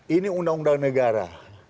ini undang undang negara